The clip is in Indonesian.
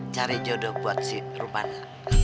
cari jodoh buat si rupana